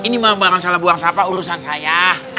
ini memang barang salah buang sampah urusan saya